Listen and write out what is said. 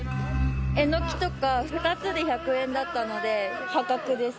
えのきとか２つで１００円だったので破格です。